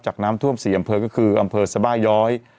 น้ำท่วม๔อำเภอก็คืออำเภอสบาย้อย